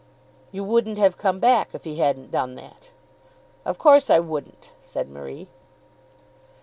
"You wouldn't have come back if he hadn't done that." "Of course I wouldn't," said Marie.